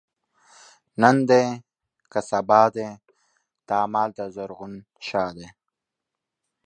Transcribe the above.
نن دی که سبا دی، دا مال دَ زرغون شاه دی